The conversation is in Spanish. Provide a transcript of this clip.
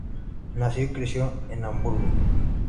Nació y creció en Hamburgo.